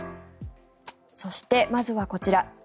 そして、まずはこちら。